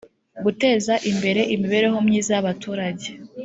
guteza imbere imibereho myiza y abaturage